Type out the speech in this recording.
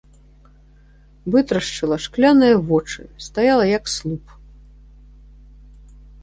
Вытрашчыла шкляныя вочы, стаяла як слуп.